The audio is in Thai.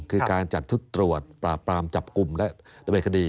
คือการจัดชุดตรวจปราบปรามจับกลุ่มและดำเนินคดี